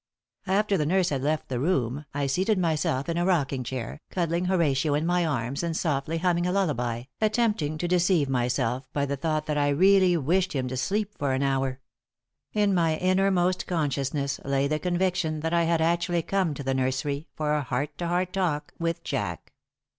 After the nurse had left the room I seated myself in a rocking chair, cuddling Horatio in my arms and softly humming a lullaby, attempting to deceive myself by the thought that I really wished him to sleep for an hour. In my innermost consciousness lay the conviction that I had actually come to the nursery for a heart to heart talk with Jack.